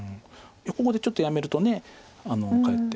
ここでちょっとやめるとかえって。